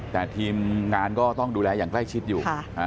แต่ทีมงานก็ต้องดูแลอย่างใกล้ชิดอยู่